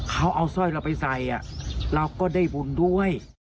เขาเอาสร้อยเราไปใส่เราก็ได้บุญด้วย